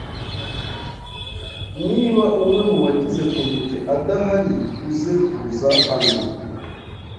Niba umwe mubagize komite adahari uze kuza hano